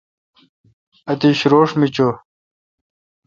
اتش روݭ می چو۔